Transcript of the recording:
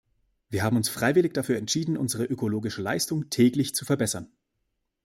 Wir haben uns freiwillig dafür entschieden, unsere ökologische Leistung täglich zu verbessern.